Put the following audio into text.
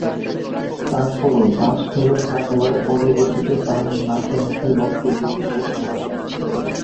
তারপরও বাঁশ ফেরত না দেওয়ায় পরবর্তীতে তার নাকে মুখে রক্ত বের হয়ে মারা যান।